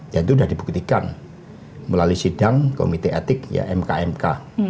dan itu sudah dibuktikan melalui sidang komite etik ya mk mk